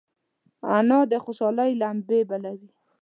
انا د خوشحالۍ لمبې بلوي